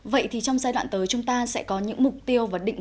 vậy thì trong giai đoạn tới chúng ta sẽ có những mục tiêu và định hướng